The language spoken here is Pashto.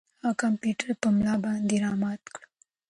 هغه کمپیوټر په ملا باندې را مات کړ.